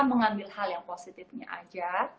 mengambil hal yang positifnya aja